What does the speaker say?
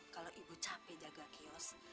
kalau ibu capek jaga kios